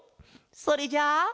それじゃあ。